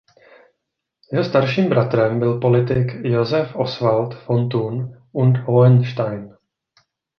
Jeho starším bratrem byl politik Joseph Oswald von Thun und Hohenstein.